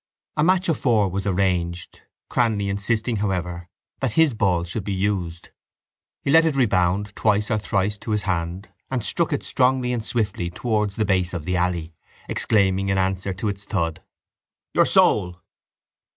A match of four was arranged, Cranly insisting, however, that his ball should be used. He let it rebound twice or thrice to his hand and struck it strongly and swiftly towards the base of the alley, exclaiming in answer to its thud: —Your soul!